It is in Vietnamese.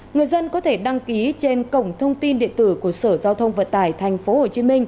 người dân có thể đăng ký trên cổng thông tin điện tử của sở giao thông vận tải tp hcm